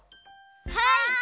はい！